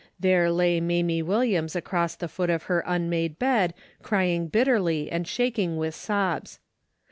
There lay Mamie Williams across the foot of her unmade bed crying bitterly and shaking with sobs.